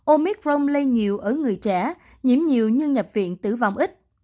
omicron lây nhiều ở người trẻ nhiễm nhiều như nhập viện tử vong ít